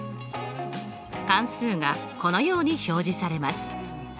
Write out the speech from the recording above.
関数がこのように表示されます。